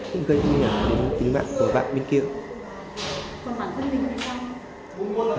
cũng gây nhận đến tính mạng của bạn bên kia